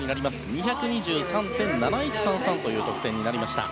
２２３．７１３３という点数になりました。